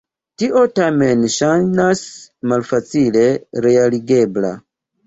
Tio tamen ŝajnas malfacile realigebla.